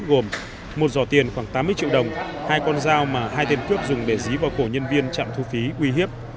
gồm một giò tiền khoảng tám mươi triệu đồng hai con dao mà hai tên cướp dùng để dí vào cổ nhân viên trạm thu phí uy hiếp